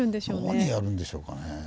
何やるんでしょうかね。